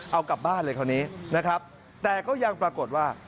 เอากลับบ้านเลยคราวนี้นะครับแต่ก็ยังปรากฏว่า